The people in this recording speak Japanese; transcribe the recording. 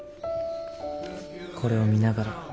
これを見ながら。